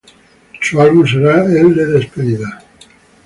Su álbum será el de despedida.